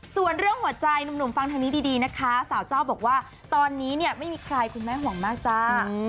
ส่วนเรื่องหัวใจหนุ่มฟังทางนี้ดีนะคะสาวเจ้าบอกว่าตอนนี้เนี่ยไม่มีใครคุณแม่ห่วงมากจ้า